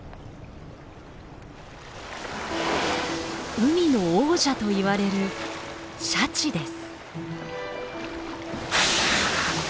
海の王者といわれるシャチです。